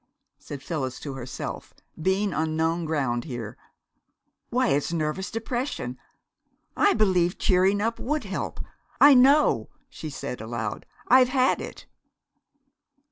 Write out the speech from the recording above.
_" said Phyllis to herself, being on known ground here "why, it's nervous depression! I believe cheering up would help. I know," she said aloud; "I've had it."